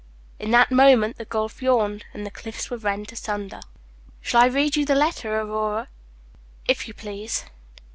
In that moment the gulf yawned, and the cliffs were rent asunder. "Shall I read you the letter, Aurora?" "If you please."